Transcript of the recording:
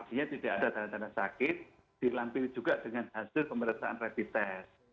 artinya tidak ada tanda tanda sakit dilampiri juga dengan hasil pemeriksaan rapid test